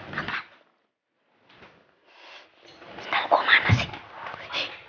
senjata gue mana sih